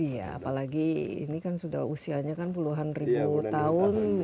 iya apalagi ini kan sudah usianya kan puluhan ribu tahun